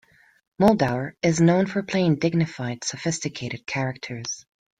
Muldaur is known for playing "dignified, sophisticated characters".